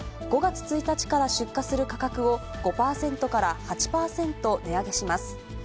５月１日から出荷する価格を、５％から８％値上げします。